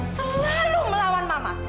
selalu melawan mama